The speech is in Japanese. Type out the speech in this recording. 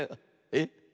えっ？